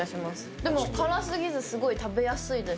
でも辛すぎず、すごい食べやすいです。